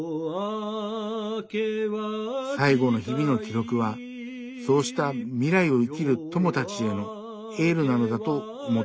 最期の日々の記録はそうした未来を生きる「友たち」へのエールなのだと思ったのです。